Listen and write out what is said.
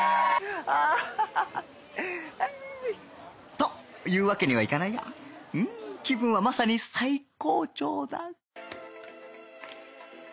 というわけにはいかないがん気分はまさに最高潮だ